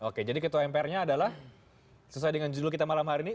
oke jadi ketua mpr nya adalah sesuai dengan judul kita malam hari ini